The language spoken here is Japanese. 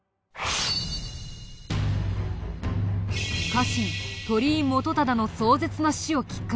家臣鳥居元忠の壮絶な死をきっかけに。